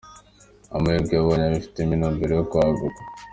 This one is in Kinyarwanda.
Amahirwe yabonye ayafitemo intumbero yo kwaguka.